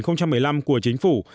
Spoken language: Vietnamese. năm hai nghìn một mươi năm của chính phủ